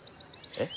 えっ！